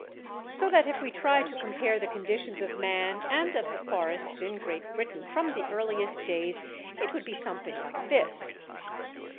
] So that if we try to compare the conditions of man and of the forests in Great Britain from the earliest days, it would be something like this: 1.